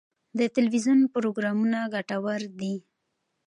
د تلویزیون پروګرامونه ګټور دي.